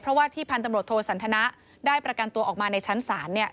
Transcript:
เพราะว่าที่พันธุ์ตำรวจโทสันทนะได้ประกันตัวออกมาในชั้นศาลเนี่ย